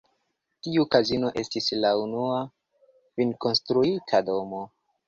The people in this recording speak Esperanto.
Tiu kazino estis la unua finkonstruita domo.